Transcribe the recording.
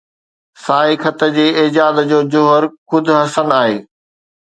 سائي خط جي ايجاد جو جوهر خود حسن آهي